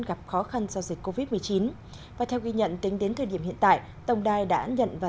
gặp khó khăn do dịch covid một mươi chín và theo ghi nhận tính đến thời điểm hiện tại tổng đài đã nhận và